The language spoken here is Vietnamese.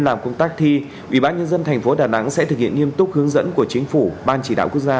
làm công tác thi ubnd tp đà nẵng sẽ thực hiện nghiêm túc hướng dẫn của chính phủ ban chỉ đạo quốc gia